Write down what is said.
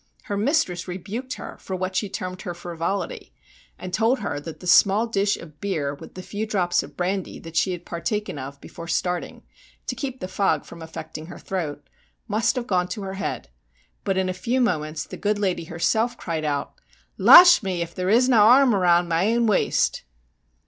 ' Her mistress rebuked her for what she termed her ' frivolity,' and told her that the small dish of beer with the io STORIES WEIRD AND WONDERFUL few drops of brandy that she had partaken of before starting, to keep the fog from affecting her throat, must have gone to her head, but in a few moments the good lady herself cried out :' Losh me, if there isna' an arm round my ain waist